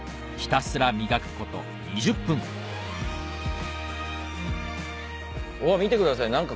ひたすら磨くこと２０分おっ見てください